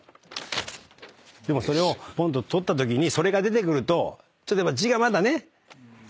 でもぽんと取ったときにそれが出てくるとちょっと字がまだね。